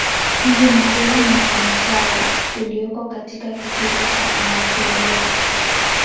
Mji mkuu ni Ankara ulioko katika kitovu cha Anatolia.